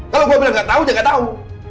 kalau gua bilang gak tahu jangan tahu